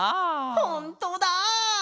ほんとだ！